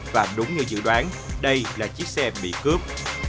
và đúng như dự đoán đây là chiếc xe bị cướp